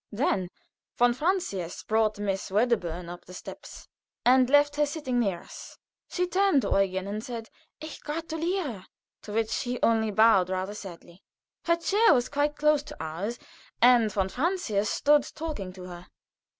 Then von Francius brought Miss Wedderburn up the steps, and left her sitting near us. She turned to Eugen and said, "Ich gratuliere," to which he only bowed rather sadly. Her chair was quite close to ours, and von Francius stood talking to her.